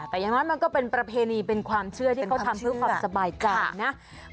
แต่อย่างน้อยมันก็เป็นประเพณีเป็นความเชื่อที่เขาทำเพื่อความสบายใจนะ